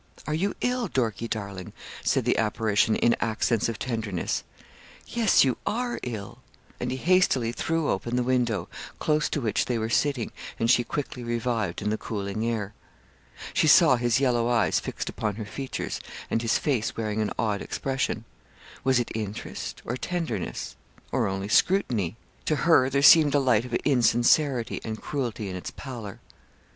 'Are you ill, Dorkie, darling?' said the apparition in accents of tenderness. 'Yes, you are ill.' And he hastily threw open the window, close to which they were sitting, and she quickly revived in the cooling air. She saw his yellow eyes fixed upon her features, and his face wearing an odd expression was it interest, or tenderness, or only scrutiny; to her there seemed a light of insincerity and cruelty in its pallor.